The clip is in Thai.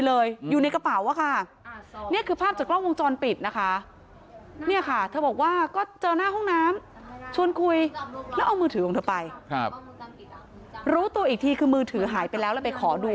รู้ตัวอีกทีคือมือถือหายไปแล้วเลยไปขอดู